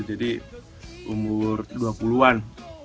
jadi umur dua puluh an